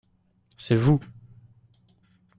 C’est vous.